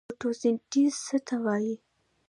فوتوسنتیز څه ته وایي؟